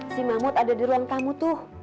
si mahmud ada di ruang tamu tuh